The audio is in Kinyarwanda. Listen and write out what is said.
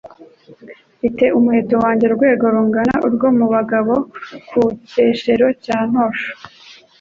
mfite umuheto wanjye Rwego rugana urwo mu bagabo ku Cyeshero cya Ntosho,